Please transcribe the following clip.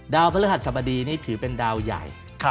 ดาวพระธรรมดีนี่ถือเป็นดาวใหญ่